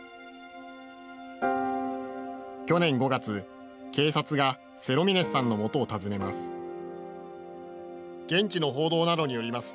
去年５月、警察がセロミネスさんのもとを訪ねます。